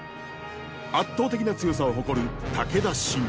圧倒的な強さを誇る武田信玄。